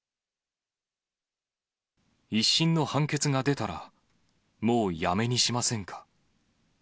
１審の判決が出たら、もう辞めにしませんか。